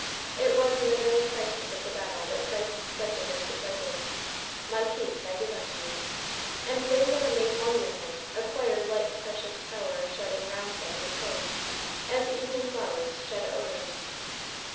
It was in the very crisis of the battle that Christ said to his disciples, "My peace I give unto you," and they that are made one with him acquire like precious power of shedding round them repose, as evening flowers shed odors.